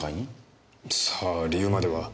さあ理由までは。